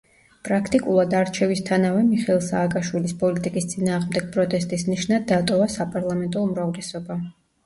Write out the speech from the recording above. პრაქტიკულად არჩევისთანავე მიხეილ სააკაშვილის პოლიტიკის წინააღმდეგ პროტესტის ნიშნად დატოვა საპარლამენტო უმრავლესობა.